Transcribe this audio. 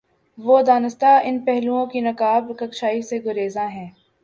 وہ دانستہ ان پہلوئوں کی نقاب کشائی سے گریزاں ہے۔